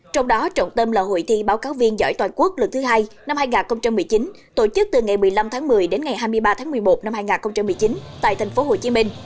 trong đó trọng tâm là hội thi báo cáo viên giỏi toàn quốc lần thứ hai năm hai nghìn một mươi chín tổ chức từ ngày một mươi năm tháng một mươi đến ngày hai mươi ba tháng một mươi một năm hai nghìn một mươi chín tại thành phố hồ chí minh